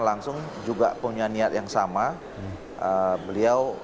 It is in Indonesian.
langsung juga punya niat yang sama beliau